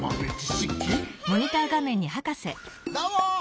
どうも！